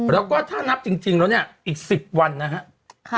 แล้วก็ถ้านับจริงแล้วเนี่ยอีก๑๐วันนะครับ